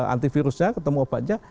antivirusnya ketemu obatnya